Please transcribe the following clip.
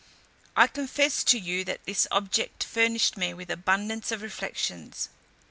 I confess to you, that this object furnished me with abundance of reflections.